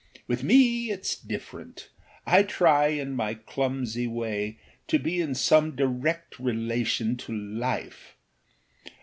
With me itâs different; I try, in my clumsy way, to be in some direct relation to life.